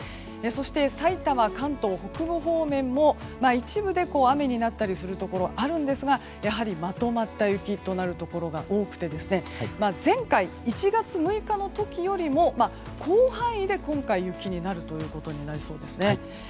そして、埼玉、関東北部方面も一部で雨になったりするところあるんですがやはり、まとまった雪となるところが多くて前回、１月６日の時よりも広範囲で今回、雪になるということですね。